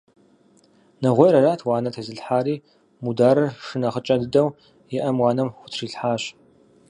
Нэгъуейр арат уанэ тезылъхьэри, Мударым шы нэхъыкӀэ дыдэу иӀэм уанэ хутрилъхьащ.